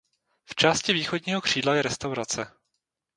V části východního křídla je restaurace.